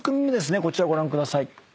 こちらご覧ください。